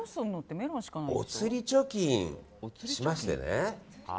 おつり貯金しましてね。